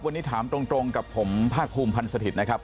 วันนี้ถามตรงกับผมภาคภูมิพันธ์สถิตย์นะครับ